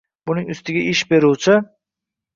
Buning ustiga, ish beruvchi-